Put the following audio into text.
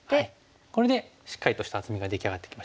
これでしっかりとした厚みが出来上がってきましたね。